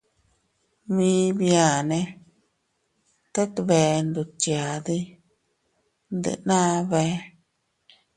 Mii biane tet bee ndutyadi, ndenna bee.